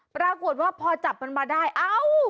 ปรากฏว่าพอจับมันมาได้เอ้า